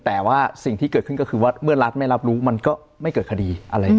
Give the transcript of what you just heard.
แต่ว่าสิ่งที่เกิดขึ้นก็คือว่าเมื่อรัฐไม่รับรู้มันก็ไม่เกิดคดีอะไรอย่างนี้